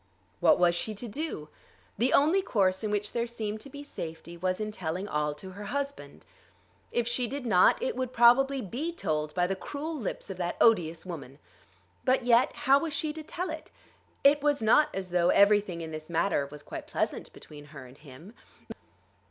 What was she to do? The only course in which there seemed to be safety was in telling all to her husband. If she did not, it would probably be told by the cruel lips of that odious woman. But yet, how was she to tell it? It was not as though everything in this matter was quite pleasant between her and him.